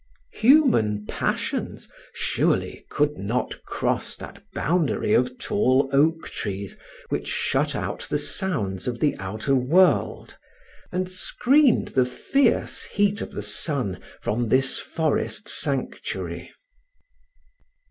Human passions surely could not cross that boundary of tall oak trees which shut out the sounds of the outer world, and screened the fierce heat of the sun from this forest sanctuary.